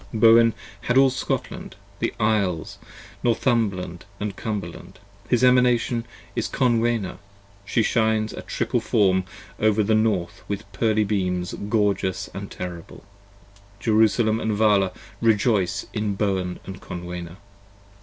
Bowen had all Scotland, the Isles, Northumberland & Cumberland: His Emanation is Conwenna, she shines a triple form Over the north with pearly beams gorgeous & terrible, Jerusalem & Vala rejoice in Bowen & Conwenna.